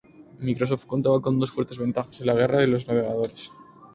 Microsoft contaba con dos fuertes ventajas en la guerra de navegadores.